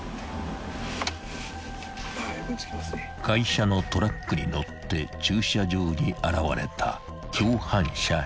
［会社のトラックに乗って駐車場に現れた］